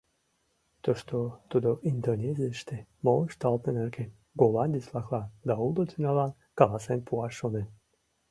Тушто тудо Индонезийыште мо ышталтме нерген голландец-влаклан да уло тӱнялан каласен пуаш шонен.